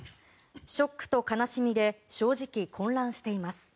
ショックと悲しみで正直、混乱しています。